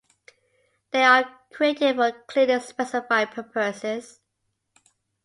They are created for clearly specified purposes.